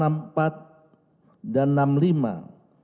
yang setelah dipotong